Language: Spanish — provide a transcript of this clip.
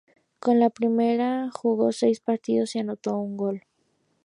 Con la primera jugó seis partidos y anotó un gol.